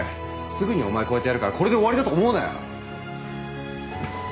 すぐにお前超えてやるからこれで終わりだと思うなよ。